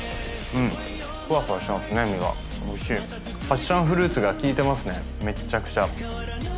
パッションフルーツが効いてますねめっちゃくちゃ。